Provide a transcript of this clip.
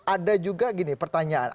ada juga gini pertanyaan